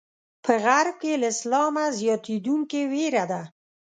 په غرب کې له اسلامه زیاتېدونکې وېره ده.